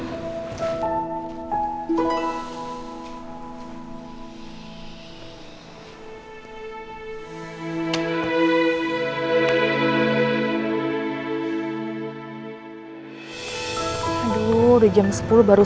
aduh udah jam sepuluh baru selesai lagi seminar ini